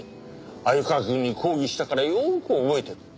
鮎川くんに抗議したからよく覚えてる。